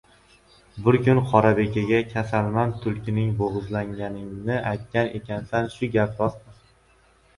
– Bir kuni Qorabekaga kasalmand tulkini bo‘g‘izlaganingni aytgan ekansan, shu gap rostmi?